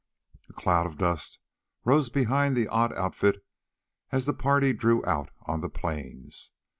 A cloud of dust rose behind the odd outfit as the party drew out on the plains.